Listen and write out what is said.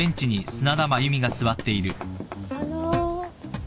あの。